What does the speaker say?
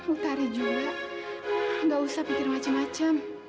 utari juga gak usah pikir macem macem